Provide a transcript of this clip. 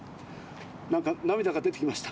なんかなみだがでてきました。